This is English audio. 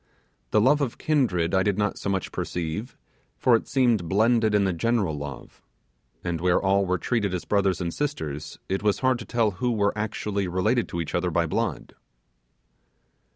The love of kindred I did not so much perceive, for it seemed blended in the general love; and where all were treated as brothers and sisters, it was hard to tell who were actually related to each other by blood.